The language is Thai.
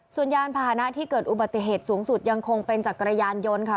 ส่วนยานพาหนะที่เกิดอุบัติเหตุสูงสุดยังคงเป็นจักรยานยนต์ค่ะ